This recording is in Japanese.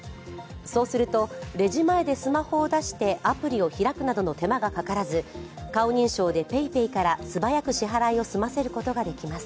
そうすると、レジ前でスマホを出してアプリを開くなどの手間がかからず、顔認証でＰａｙＰａｙから素早く決済することができます。